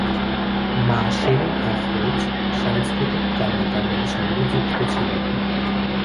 মা শিরীন আফরোজ সাংস্কৃতিক কর্মকাণ্ডের সঙ্গে যুক্ত ছিলেন।